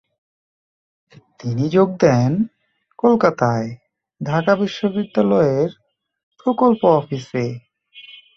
তিনি যোগ দেন কলকাতায় ঢাকা বিশ্ববিদ্যালয়ের প্রকল্প অফিসে।